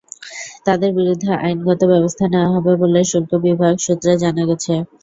তাঁদের বিরুদ্ধে আইনগত ব্যবস্থা নেওয়া হবে বলে শুল্ক বিভাগ সূত্রে জানা গেছে।